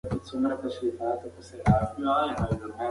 بې ثباته تعليم سيستم د مهارتونو کمښت او بې کارۍ سبب ګرځي.